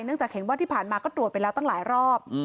จากเห็นว่าที่ผ่านมาก็ตรวจไปแล้วตั้งหลายรอบ